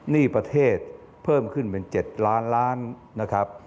หนี้ประเทศเพิ่มขึ้นเป็น๗ล้านล้านนะครับ